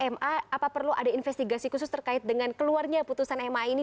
ma apa perlu ada investigasi khusus terkait dengan keluarnya putusan ma ini